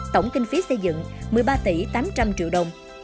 tổng kinh phí xây dựng một mươi ba tỷ tám trăm linh triệu đồng